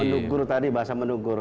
menugur tadi bahasa menugur